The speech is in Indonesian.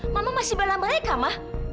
mama masih berlah mereka ma